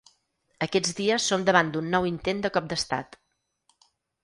Aquests dies som davant d’un nou intent de cop d’estat.